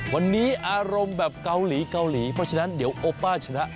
วันนี้อารมณ์แบบเกาหลีเกาหลีเพราะฉะนั้นเดี๋ยวโอป้าชนะ